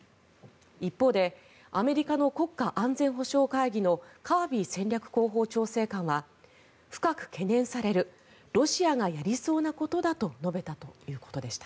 一方でアメリカの国家安全保障会議のカービー戦略広報調整官は深く懸念されるロシアがやりそうなことだと述べたということでした。